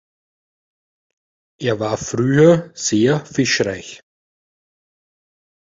Er war früher sehr fischreich.